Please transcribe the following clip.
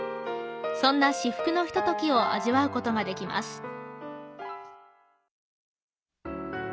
そんな至福のひとときを味わうことができます。